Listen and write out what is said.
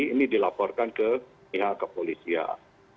ini dilaporkan ke pihak kepolisian